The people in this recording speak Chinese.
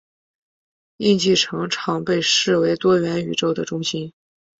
印记城常被视为多元宇宙的中心。